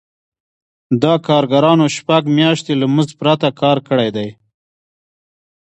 دا کارګرانو شپږ میاشتې له مزد پرته کار کړی دی